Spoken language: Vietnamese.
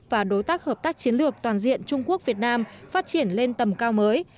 và đối tác hợp tác chiến lược toàn diện trung quốc việt nam phát triển lên tầm cao mới